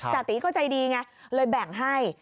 จติก็ใจดีไงเลยแบ่งให้